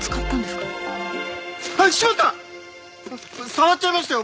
触っちゃいましたよ。